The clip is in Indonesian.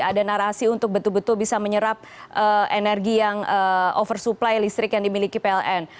ada narasi untuk betul betul bisa menyerap energi yang oversupply listrik yang dimiliki pln